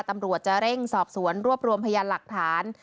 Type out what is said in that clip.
ตำรวจจะเร่งสอบสวนรวบรวมพยานหลักฐาน